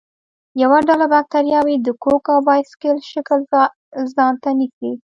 یوه ډله باکتریاوې د کوک او باسیل شکل ځانته نیسي.